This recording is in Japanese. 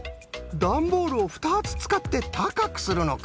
ダンボールをふたつつかってたかくするのか。